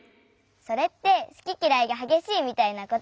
それってすききらいがはげしいみたいなことでしょ？